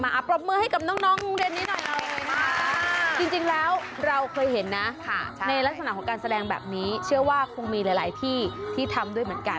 ปรบมือให้กับน้องโรงเรียนนี้หน่อยนะคะจริงแล้วเราเคยเห็นนะในลักษณะของการแสดงแบบนี้เชื่อว่าคงมีหลายที่ที่ทำด้วยเหมือนกัน